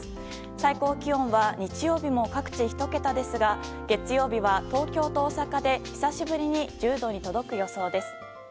最高気温は日曜日も各地、１桁ですが月曜日は東京と大阪で久しぶりに１０度に届く予想です。